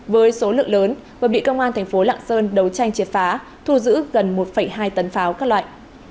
với số lượng lớn và bị công an thành phố lạng sơn đấu tranh triệt phá thu giữ gần một hai tấn pháo các loại